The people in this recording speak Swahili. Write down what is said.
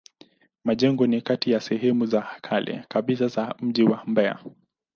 Majengo ni kati ya sehemu za kale kabisa za mji wa Mbeya.